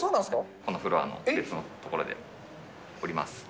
このフロアの別の所でおりま